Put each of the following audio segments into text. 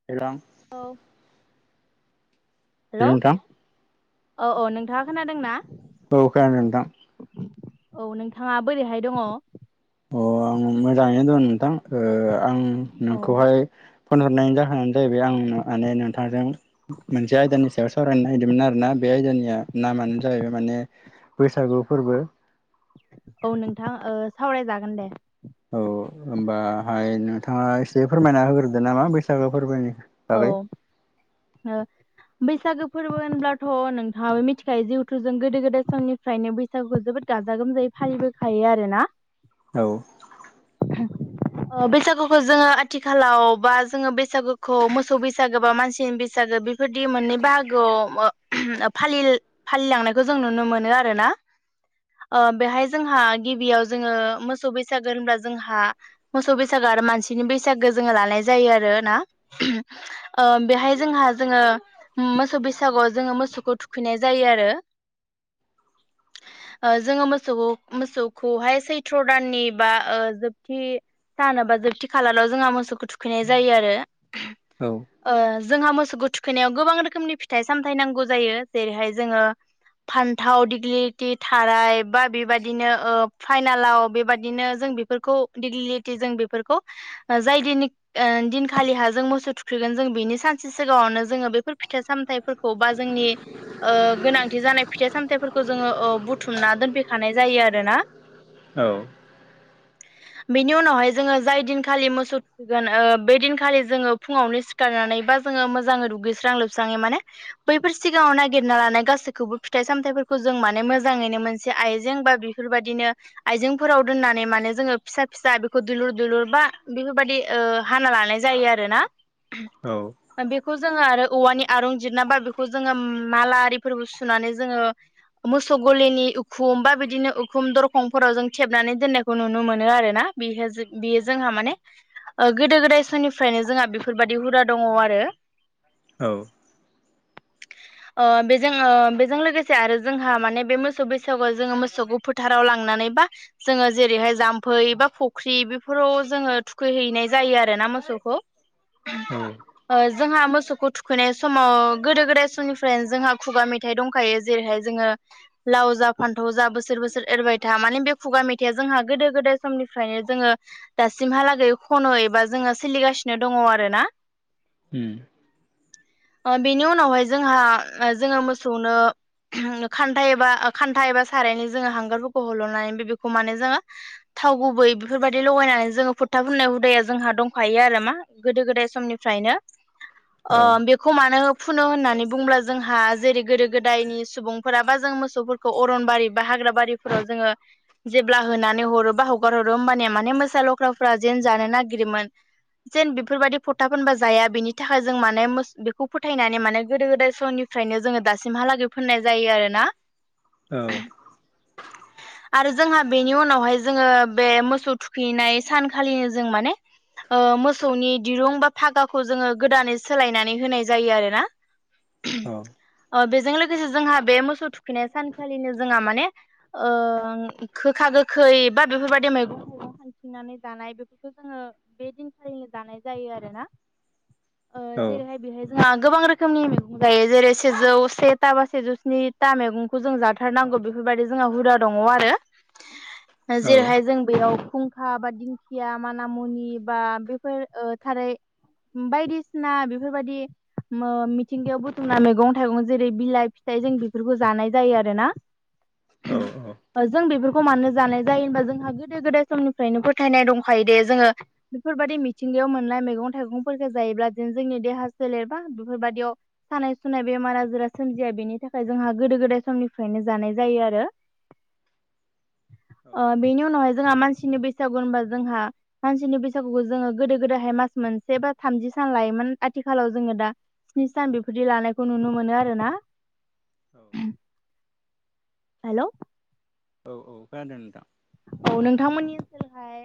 [inaudible] औ हेलौ औ औ नोंथांङा खोनादों ना औ खोनादो नोंथां औ नोंथांङा बोरैहाय दंङ अ आं मोजांङैनो दं नोंथां ओ आं नोंखौहाय फन हरनायनि जाहोनानो जाहैबाय आं माने नोंथांजों मोनसे आयदानि सायाव सावरायनो नागिरदोंमोन आरो ना बे आयदानिया नामानो जाहैबाय माने बैसागु फोरबो औ नोंथां ओ सावरायजागोन दे औ होमबाहाय नोंथांङा एसे फोरमायना होग्रोदो नामा बैसागो फोरबोनि बागै औ [unintelligible] बैसागो फोरबो होनब्लाथ' नोंथांङाबो मिथिखायो जिहुथुजों गोदो गोदाय समनि निरफ्रायनो बैसागुखौ जोबोद गाजा गोमजायै फालिबोखायो आरो ना औ ओ बैसागुखौ जोंङो आथिखालाव बा जोंङो बैसागु खौ मोसौ बैसागो बा मानसिनि बैसागो बेफोरदि मोननै बाहागोआव फालिल फालिलांनायखौ जों नुनो मोनो आरो ना ओ बेहाय जोंहा गिबियाव जोंङो मोसौ बैसागो होनब्ला जोंहा मोसौ बैसागो आरो मानसिनि बैसागोखौ जोंङो लानाय जायो आरो ना? ओ बेहाय जोंहा जोंङो मोसौ बैसागुआव जोंङो मोसौखौ थुखैनाय जायो आरो [inaudible] ओ जोंङो मोसौखौ मोसौखौहाय सैथ्र' दाननि बा ओ जोबथि सानोबा जोबथि खालाराव जोंहा मोसौखौ थुखैनाय जायो आरो औ ओ जोंहा मोसौखौ थुखैनायाव गोबां रोखोमनि फिथाइ सामथाय नांगौ जायो जेरैहाय जोंङो फान्थाव दिग्लिति थाराय बा बेबायदिनो ओ फाइनालाव बेबायदिनो जों बि [inaudible] जों मोसौ थुखैगोन जों बिनि सानसे सिगांङावनो जोंङो बेफोर फिथाइ सामथाइफोरखौ बा जोंनि ओ गोनांथि जानाय फिथाइ सामथायाइफोरखौ ओ जोंङो बुथुमना दोनफैखानाय जायो आरो ना? औ बेनि उनावहाय जोंङो जाय दिनखालि मोसौ थुखैगोन ओ बै दिनखालि जोंङो फुंङावनो सिखारनानै बा जोंङो मोजांङै दुगैस्रां लोबस्राङै माने बैफोर सिगांङाव नागिरना लानाय गासैखौबो फिथाइ सामथायाइफोरखौ जों माने मोजांङैनो मोनसे आयजें बा बि बेफोरबायदिनो आइजेंफोराव दोननानै माने जोंङो फिसा फिसा बेखौ दुलुर दुलुर बा बेफोरबायदि ओ हाना लानाय जायो आरो जायो ना औ बेखौ जोंङो आरो औवानि आरुंजिरना बा बेखौ जोंङो माला आरिफोरबो सुनानै जोंङो मोसौ गलिनि उखुम बा बिदिनो उखुम दरखंफोराव जों थेबनानै दोननायखौ नुनो मोनो आरो ना बि बियो जोंहा माने गोदो गोदाय समनि निफ्रायनो जोंहा बेफोरबायदि हुदा दङ आरो औ [inaudible] बेजों बेजों लोगोसे आरो जोंहा माने बे मोसौ बैसागुआव जोङो मोसौखौ फोथाराव लांनानै बा जोङो जेरैहाय जाम्फै बा फुख्रि बेफोराव जोङो थुखैहैनाय जायो आरो ना मोसौ [unintelligible] औ जोंहा मोसौखौ थुखैनाय समाव गोदो गोदाय समनिफ्रायनो जोंहा खुगा मेथाइ दंखायो जे जेरैहाय जोङो लाव जा फान्थाव जा बोसोर बोसोर एरबाय था माने बे खुगा मेथाइया जोंहा गोदो गोदाय समनिफ्रायनो जोङो दासिमहालागै खनो एबा जोङो सोलिगासिनो दङ आरो ना ओम बेनि उनावहाय जोंहा जोङो मोसौनो खान्था एबा खान्था एबा सारायनि जोङो हांगारफोरखौ हल'नानै बे बेखौ माने जोङो थाव गुबै बेफोरबायदि लगायनानै जोङो फुरथा फुननाय हुदाया जोंहा दं दंखायो आरो मा गोदो गोदाय समनिफ्रायनो औ खौ मानो फुनो होननानै बुंब्ला जोंहा जेरै गोदो गोदायनि सुबुंफोरा बा जों मोसौ अरनबारि बा हाग्रा बारिफोराव जोङो जेब्ला होनानै हरो बा हगार हरो होमबानिया माने मोसा लख्राफ्रा जेन जानो नागिरोमोन। [inaudible] जेन बेफोरबायदि फथा फोनबा जाया बेनि थाखाय जों माने बेखौ फोथायनानै माने गोदो गोदाय समनि फ्रायनो जोङो दासिमहालागै फोननाय जायो आरो ना। औ आरो जोंहा बेनि उनावहाय जोङो बे मोसौ थुखैनाय सानखालिनो जों माने मोसौनि दिरुं बा फागाखौ जोङो गोदानै सोलायनानै होनाय जायो आरो ना। औ अ बेजों लोगोसे जोंहा बे मोसौ थुखैनाय सानखालिनो जोंहा माने गोखा गोखै बा बेफोरबायदि मैगं जोङो बे दिनखालिनो जानाय जायो आरोना ओ [inaudible] जेरैहाय बे बेहाय जोंहा गोबां रोखोमनि मैगं जायो जेरै सेजौ से था बा सेजौ स्नि था मैगं खौ जों जाथारनांगौ बेफोरबायदि जोंहा हुदा दङ आरो जेरैहाय जों बेयाव फुं फुंखा बा दिंखिया मानामुनि बा बेफोर थारै बायदिसिना बेफोरबायदि मिथिंगायाव बुथुमना मैगं थाइगं जेरै बिलाइ फिथाइ जों बेफोरखौ जानाय जायो आरो ना औ औ जों बेफोरखौ मानो जानाय जायो होनबा जोंहा गोदो गोदाय समनिफ्रायनो फोथायनाय दंखायो दे जोङो बेफोरबायदि मिथिंगायाव मोननाय मैगं थाइगंफोरखौ जायोब्ला दि जोंनि देहा सोलेरबा बेफोरबायदियाव सानाय सुनाय बेमार आजारा सोमजिया बेनि थाखाय जोंहा गोदो गोदाय समनिफ्रायनो जानाय जायो आरो बेनि उनावहाय जोंहा मानसिनि बैसागु होनबा जोंहा मानसिनि बैसागुखौ जोङो गोदो गोदायहाय मास मोनसे बा थामजि सान लायोमोन आथिखालाव जोङो दा स्नि सान बेफोरदि लानायखौ नुनो मोनो आरो ना औ हेलौ औ औ खोनादों नोंथां औ नोंथांमोननि ओसोलहाय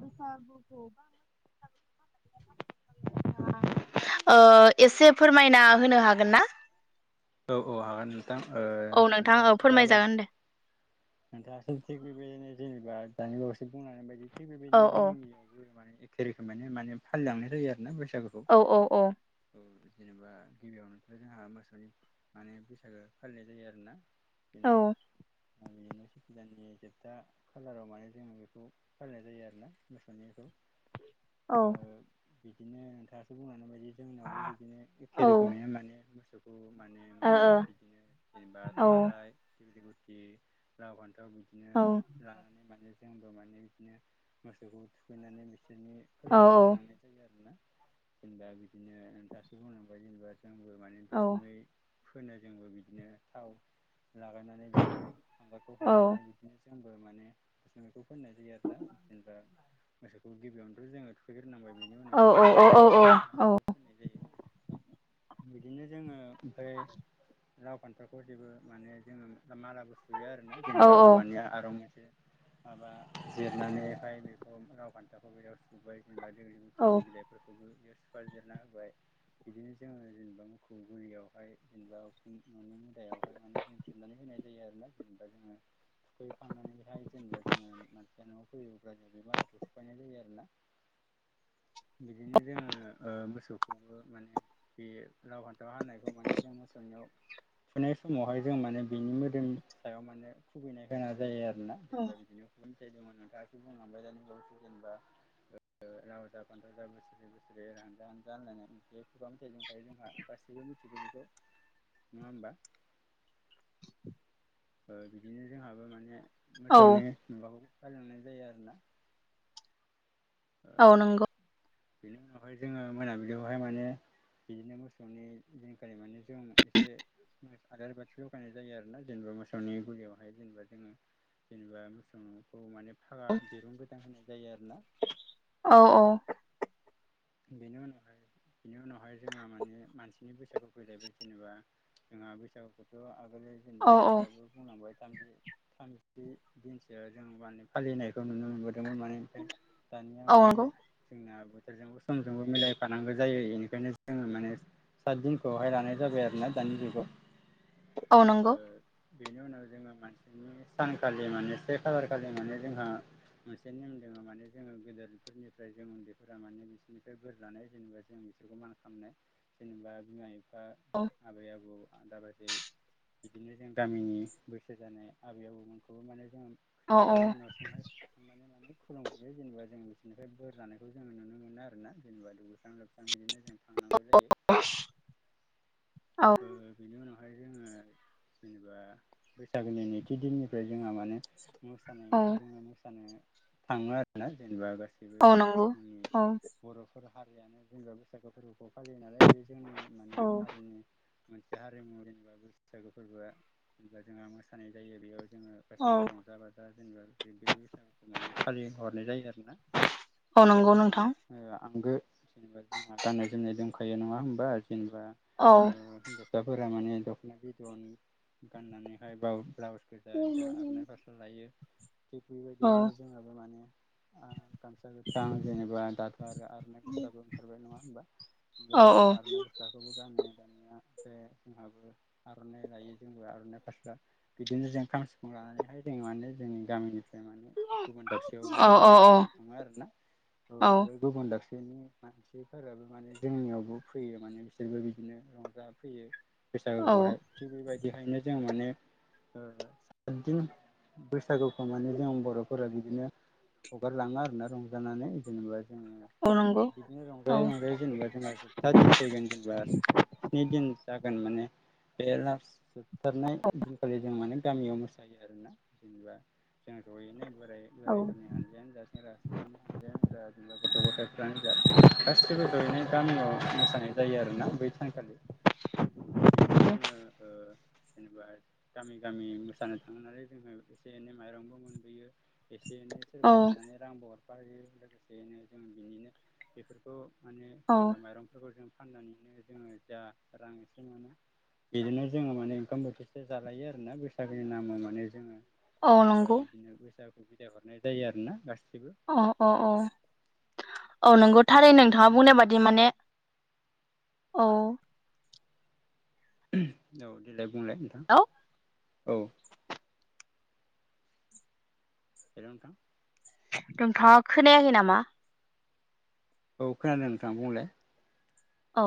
बैसागुखौ [inaudible] ओ एसे फोरमायना होनो हागोन ना औ औ हागोन नोंथां औ नोंथां औ नोंथाङासो जाबाय फोरमायजागोन दे नोंथाङासो थिग बिबायदिनो जेनेबा दानि बावसो बुंलांनाय बायदि थिग औ बेबायदिनो औ जोंनियावबो माने एख फेरिखो माने माने फालिलांनाय जायो आरोना बैसागुखौ। औ औ औ औ जेनेबा गिबियावनोथ' जोंहा मोसौनि माने बैसागो फालिनाय जायो आरोना औ जेनेबा [unintelligible] गोदाननि जोबथा खालाराव माने जों बेखौ फालिनाय जायो आरोना मोसौनिखौ। ओ औ बिदिनो नोंथाङासो बुंलांनाय बायदि जोंनावबो बिदिनो एखे रोखोमैनो माने मोसौखौ माने औ औ बिदिनो जेनेबा औ थाराय दिग्लि गुटि लाव फान्थाव बिदि बिदिनो औ लांनानै माने जोंबो माने बिदिनो मोसौखौ थुखैनानै बिसोरनि फोरबोखौ फालिलांनाय जायो आरोना जेनेबा बिदिनो दासो बुंलांबाय जेनेबा जोंबो माने दुसुमै फोनो जोंबो बिदिनो थाव लागायनानै नाय बेखौ हांगारखौ हरनानै बिदिनो जोंबो माने बेखौ फोननाय जायो आरोना जेनेबा मोसौखौ गिबियावनोथ' जोङो ग्रोनांबाय बिनि औ उनावसो जोङो औ माने औ बेखौ औ हांगारखौ होननाय जायो बिदिनो जोङो ओमफ्राय लाव फान्थावखौ जेबो माने जोङो मालाबो सुयो आरोना औ जेनेबा औवानिया आरुंयाजों माबा जिरनानैहाय बेखौ लाव फान्थाखौ बेयाव औ [unintelligible] फोरखौबो इयाव सुफादेरना होबाय बिदिनो जोङो जेनेबा मोखौ गुलियावहाय जेनेबा उखुम न'नि मुदायावहाय माने जों थेबनानै होनाय जायो आरोना जेनेबा जोङो थुखैखांनानैहाय जेनेबा जोङो मानसिया न'आव फैयोब्ला जों बे मालाखौ सुफायनाय जायो आरोना। [inaudible] बिदिनो जोङो ओ मोसौखौबो माने बे लाव फान्थाव हानायखौ माने बे मोसौनियाव फुनाय समावहाय जों माने बिनि मोदोमनि सायाव माने खुबैनो गोनां जायो आरोना। जेनेबा बिदिनो खुगा मेथाइ दङ नोंथाङासो बुंलांबाय दानिबावैसो जेनेबा लावजा फान्थावजा बोसोरै बोसोरै एर हानजा हानजा होनलायनाय [unintelligible] जोंहा। गासिबो मिथिगो बिखौ। नङा होमबा? ओ बिदिनो जोंहाबो माने औ मोसौनि माबाखौ फालिलांनाय जायो आरोना। ओ औ नंगौ बेनि उनावहाय जोङो मोनाबिलियावहाय माने बिदिनो मोसौनि दिनखालि माने जों एसे [unintelligible] आलारि बाथि लगायनाय जायो आरोना जेनेबा मोसौनि गुलियावहाय जेनेबा जोङो। जेनेबा मोसौखौ माने फागा दिरुं गोदान होनाय जायो आरोना। औ औ। बेनि उनावहाय बेनि उनावहाय जोंहा माने मानसिनि बैसागु फैलायबाय जेनेबा जोंहा बैसागुखौथ' आगोल औ जेनेबा औ नोंथाङाबो बुंलांबाय थामजि थामजि दिनसो जों माने फालिनायखौ नुनो मोनबोदोंमोन माने [unintelligible] दानिया औ माने नंगौ जोंना बोथोरजों समजोंबो मिलायफानांगौ जायो इनिखायनो जोङो माने सात दिनखौहाय लानाय जाबाय आरोना दानि जुगाव औ ओ नंगौ बेनि उनाव जोङो मानसिनि माने सानखालि माने से खालार खालि माने जोंहा मोनसे नेम दोङो माने जोङो गदेर फोरनिफ्राय जों उन्दैफोरा माने बिसोरनि से बोर लानाय जेनेबा जों बिसोरखौ मान खामनाय जेनेबा बिमा बि फा औ आबै आबौ आदा बाजै इदिनो जों गामिनि बैसो जानाय आबै आबौमोनखौ माने जों औ थांनानै न' बेवहाय थांनानै माने खुलुमहैयो जेनेबा जों बिसिनिफ्राय बोर लानायखौ जो नुनो मोनो आर ना जेनेबा दुगैस्रां लोबस्रां बिदिनो थांनांगौ जायो [unintelligible] औ ओ बेनि उनाव फाय जोङो जेनेबा बैसागोनि नैथि दिननिफ्राय जोंहा माने मोसानाय औ जोङो मोसानो थाङो आरोना जेनेबा गासिबो औ नंगौ जोंनि औ बर'फोर हारियानो जेनबा बैसागो फोरबोखौ फालियो नालाय बे जोंनि औ माने हारिनि मोनसे हारिमु जेनेबा बैसागु फोरबोआ। जेनेबा जोंहा मोसानाय जायो बेयाव जोङो औ गाैसैबो रंजा बाजा जेनेबा बे बैसागुखौ माने फालिहरनाय जायो आरोना? औ जेनेबा नंगौ जोंहा नोंथां ओ आंगो जेनेबा जोंहा गाननाय जोमनाय दं। खायो नङा होमबा जेनेबा औ। ओ औ हिन्जावसाफोरा माने दख'ना बिद'न गाननानैहाय बा ब्लाउस गोजा ओमफाय आर'नाय फास्रा लायो थिग औ बिबायदियैनो जोंहाबो माने आ गामसा गोतां जेनेबा दाथ' आरो आर'नाइ गस्लाबो ओंखारबाय नङा होमबा? बो औ जों आर'नाइ गस्लाखोबो गानो गाननाया ओमफ्राय जोंहाबो आर'नाइ लायो जोंबो आर'नाइ फास्रा। बिदिनो जों खाम सिफुं लानानैहाय जों माने जोंनि गामिनिफ्राय माने गुबुन दाबसेयावबो जोङो औ मोसानो थाङो आरोना औ आरो गुबुन दाबसेनि मानसिफोराबो माने जोंनियावबो फैयो माने बिसोरबो बि दिनो रंजा फैयो बैसागोखौहाय थिग बेबायदिहायनो जों माने सातदिन बैसागुखौ मानि जों बर'फोरा बिदिनो हगारलाङो आरोना रंजानानै जेनेबा जोङो औ नंगौ बिदिनो औ रंजायै रंजायै जेनेबा जोंहा जोबथा दिन फैगोन जेनेबा स्नि दिन जागोन माने। बे लास जोबथारनाय दिनखालि जों माने गामियाव मो सायो आरोना जेनेबा जों ज'यैनो बोराय बोराइफोरनि हानजायानो जा सेंग्रा थिगानो मोनजायानो जा जोंहा गथ' गाथाय जा गासिबो ज'यैनो गामियाव मोसानाय जायो आरोना बै सानखालि बिदिनो जोङो ओ जेनेबा गामि गामि मोसानो थाङो नालाय जोङो एसे एनै माइरंबो मोनबोयो एसे एनै औ सोरबा अननानै रांबो हरफायो लोगोसेयैनो जों बिनिनो बेफोरखौ माने औ जेनेबा माइरं फोरखौ जों फाननानैनो जोङो जा रां एसे बिदिनो जोङो माने ओंखाम बोथिसे जालायो आरोना बैसागोनि नामाव माने औ जेनेबा नंगौ बिदिनो बैसागु बिदाय हरनाय जायो आरो ना गासैबो। अ अ औ औ नोंगौ थारै बिदिनो नोंथाङा जोङो बुंनाय बादि माने औ। औ देलाय बुंलाय नोंथां हेलौ औ‌। हेलौ नोंथां। नोंथाङा खोनायाखै नामा? औ खोनादों नोंथां बुंलाय। औ।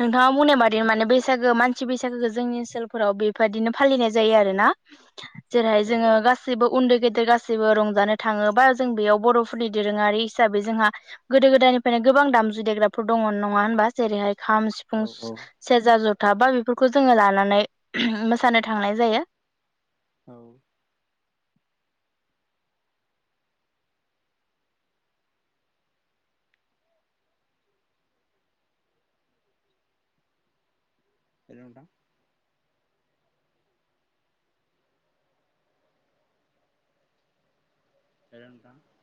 नोंथाङा बुंनाय मादि माने बैसागो मानसि बैसागोखौ जोंनि ओनसोलफोराव बेफोरबादिनो फालिनाय जायो आरो ना। [inaudible] जेरैहाय जोङो औ मा गसैबो उन्दै गेदेर गासैबो रंजानो थाङो बा जों बेयाव बर' फोरनि दोरोङारि हिसाबै जोंहा गोदो गोदायनिफ्रायनो गोबां दामजु देग्राफोर दङ नङा होनबा जेरैहाय खाम, औ सिफुं सेरजा जथा बा बेफोरखौ जोङो लानानै मोसानो थांनाय जायो। औ। हेलौ नोंथां। औ